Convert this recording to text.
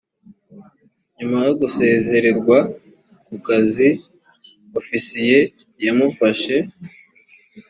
nyuma yo gusezererwa ku kazi ofisiye yamufashe.